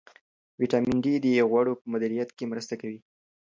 ویټامین ډي د غوړو په مدیریت کې مرسته کوي.